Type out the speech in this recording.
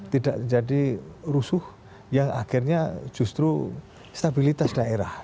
tidak terjadi rusuh yang akhirnya justru stabilitas daerah